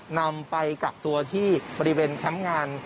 นำไปกักตัวที่บริเวณแคมป์งาน